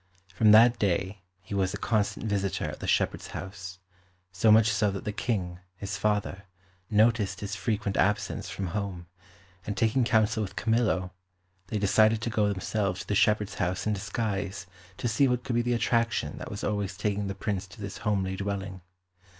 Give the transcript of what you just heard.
From that day he was a constant visitor at the shepherd's house, so much so that the King, his father, noticed his frequent absence from home, and taking counsel with Camillo, they decided to go themselves to the shepherd's house in disguise to see what could be the attraction that was always taking the Prince to this homely dwelling.